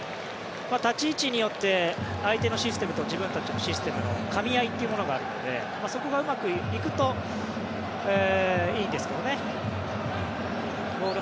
立ち位置によって相手のシステムと自分たちのシステムのかみ合いというものがあるのでそこがうまくいくといいんですけどね。